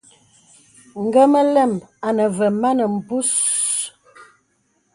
Nge mə lə̀m āne və mān mbūs.